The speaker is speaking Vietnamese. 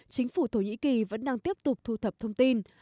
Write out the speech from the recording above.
chính phủ thổ nhĩ kỳ vẫn đang tiếp tục thu thập thông tin